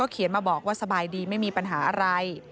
เขียนมาบอกว่าสบายดีไม่มีปัญหาอะไร